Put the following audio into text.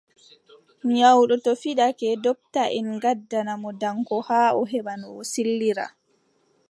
Nyawɗo to fiɗake, ndoptaʼen ngaɗana mo danko haa o heɓa no o sillira.